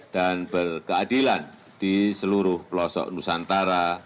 dan berkeadilan di seluruh pelosok nusantara